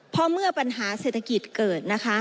เพราะเมื่อปัญหาเศรษฐกิจเกิดนะคะ